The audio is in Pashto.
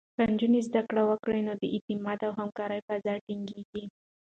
که نجونې زده کړه وکړي، نو د اعتماد او همکارۍ فضا ټینګېږي.